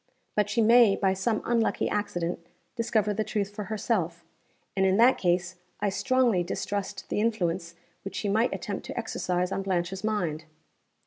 But she may, by some unlucky accident, discover the truth for herself and, in that case, I strongly distrust the influence which she might attempt to exercise on Blanche's mind."